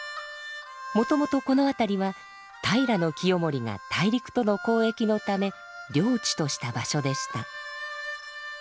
もともとこの辺りは平清盛が大陸との交易のため領地とした場所でした。